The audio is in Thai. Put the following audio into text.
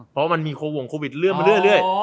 เพราะมันมีโควงโควิดเรื่อยมาเรื่อย